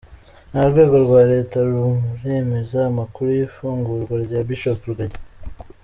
Nta rwego rwa Leta ruremeza amakuru y’ ifungurwa rya Bishop Rugagi.